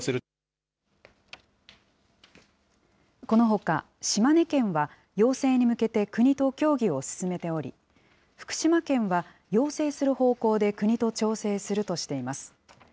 このほか、島根県は要請に向けて国と協議を進めており、福島県は要請する方向で国と調整するとしています。